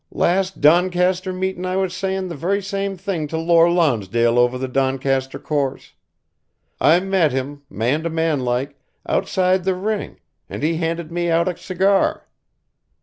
Last Doncaster meetin' I was sayin' the very same thing to Lor' Lonsdale over the Doncaster Course. I met him, man to man like, outside the ring, and he handed me out a cigar.